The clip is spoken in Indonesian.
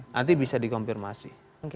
nanti bisa dikonfirmasi